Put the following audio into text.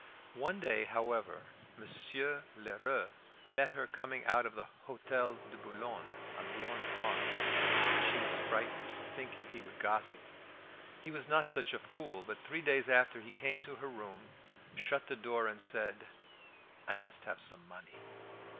One day, however, Monsieur Lheureux met her coming out of the Hotel de Boulogne on Léon's arm; and she was frightened, thinking he would gossip. He was not such a fool. But three days after he came to her room, shut the door, and said, "I must have some money."